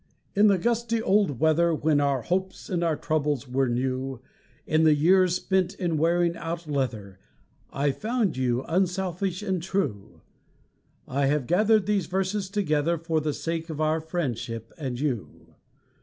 In the gusty old weather, When our hopes and our troubles were new, In the years spent in wearing out leather, I found you unselfish and true I have gathered these verses together For the sake of our friendship and you.